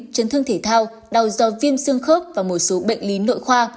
chấn thương thể thao đau do viêm xương khớp và một số bệnh lý nội khoa